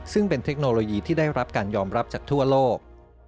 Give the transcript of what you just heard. ซึ่งเป็นเทคโนโลยีที่ได้รับการยอมรับจากทั่วโลก